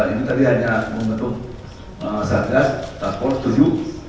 ini tadi hanya membentuk sarkas task force tujuh